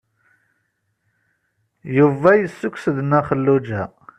Yuba yessukkes-d Nna Xelluǧa.